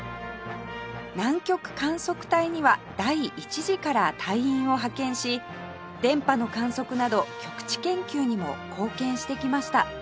南極観測隊には第１次から隊員を派遣し電波の観測など極地研究にも貢献してきました